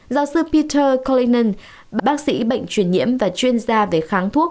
giáo sư peter collynon bác sĩ bệnh truyền nhiễm và chuyên gia về kháng thuốc